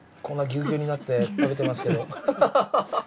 こんなギューギューになって食べてますけど。